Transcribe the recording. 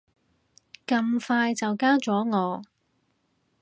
咁快就加咗我